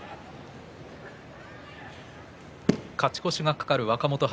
勝ち越しが懸かる若元春。